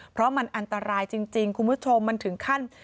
เพราะมันอันตรายจริงคุณผู้ชมมันถึงขั้น